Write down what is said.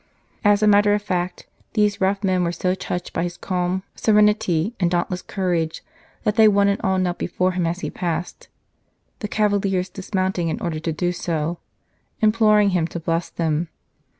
As a matter of fact, these rough men were so touched by his calm serenity and dauntless courage that they one and all knelt before him as he passed the cavaliers dismount ing in order to do so imploring him to bless them.